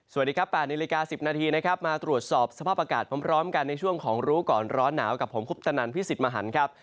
สวัสดีครับ๘นาฬิกา๑๐นาทีนะครับมาตรวจสอบสภาพอากาศพร้อมกันในช่วงของรู้ก่อนร้อนหนาวกับผมคุปตนันพิสิทธิ์มหันครับ